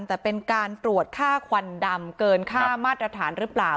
แต่เป็นการตรวจค่าควันดำเกินค่ามาตรฐานหรือเปล่า